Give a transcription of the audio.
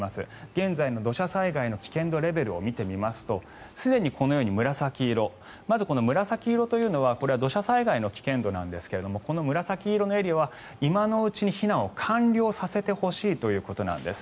現在の土砂災害の危険度レベルを見てみますとすでに、このように紫色まずこの紫色というのはこれは土砂災害の危険度なんですがこの紫色のエリアは今のうちに避難を完了させてほしいということなんです。